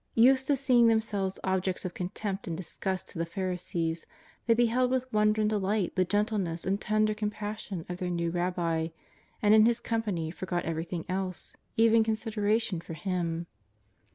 Used to seeing themselves objects of contempt and disgust to the Pharisees, they beheld with wonder and delight the gentleness and tender compas sion of their new Rabbi, and in His company forgot everything else, even consideration for Him.